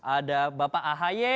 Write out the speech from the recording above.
ada bapak ahy